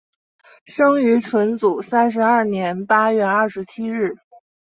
生于纯祖三十二年八月二十七日。